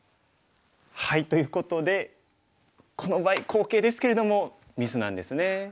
ということでこの場合好形ですけれどもミスなんですね。